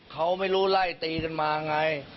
เขาไม่รู้ไล่ตีกันมาไง